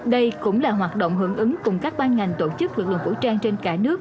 đây cũng là hoạt động hưởng ứng cùng các ban ngành tổ chức lực lượng vũ trang trên cả nước